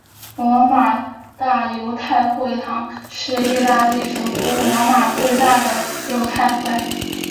罗马大犹太会堂是意大利首都罗马最大的犹太会堂。